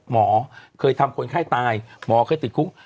หมอเคยทำคนไข้ตายหมอเคยติดคุก